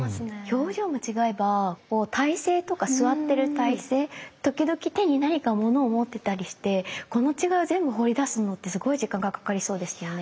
表情も違えば体勢とか坐ってる体勢時々手に何か物を持ってたりしてこの違いを全部彫り出すのってすごい時間がかかりそうですよね。